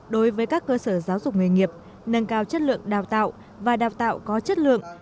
đối với các cơ sở giáo dục nghề nghiệp nâng cao chất lượng đào tạo và đào tạo có chất lượng